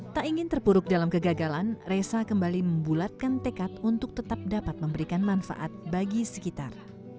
tak ingin terpuruk dalam kegagalan resa kembali membulatkan tekad untuk tetap dapat memberikan manfaat bagi sekitar